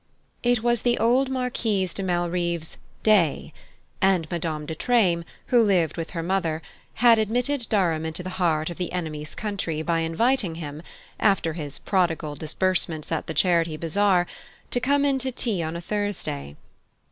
It was the old Marquise de Malrive's "day," and Madame de Treymes, who lived with her mother, had admitted Durham to the heart of the enemy's country by inviting him, after his prodigal disbursements at the charity bazaar, to come in to tea on a Thursday.